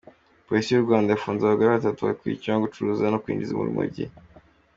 Polisi y’u Rwanda yafunze abagore batatu bakurikiranyweho gucuruza no kwinjiza urumogi.